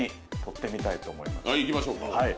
はいいきましょうか。